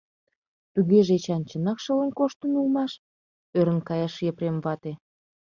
— Тугеже Эчан чынак шылын коштын улмаш? — ӧрын кайыш Епрем вате.